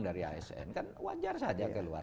dari asn kan wajar saja keluar